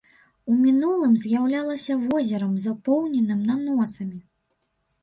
У мінулым з'яўлялася возерам, запоўненым наносамі.